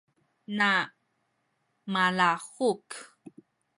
na malahuk